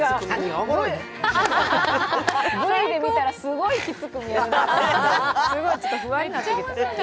Ｖで見たらすごいきつく見える。